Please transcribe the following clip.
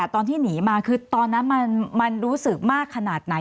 ตอนที่หนีมาคือตอนนั้นมันรู้สึกมากขนาดไหน